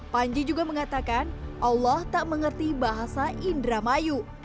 panji juga mengatakan allah tak mengerti bahasa indramayu